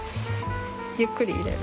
ゆっくり入れる。